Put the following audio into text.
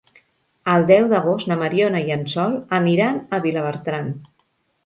El deu d'agost na Mariona i en Sol aniran a Vilabertran.